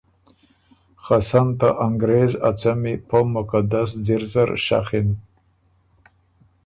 خه سن ته انګرېز ا څمی پۀ مقدس ځِر زر شخِن۔